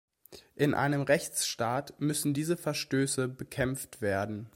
In einem Rechtsstaat müssen diese Verstöße bekämpft werden.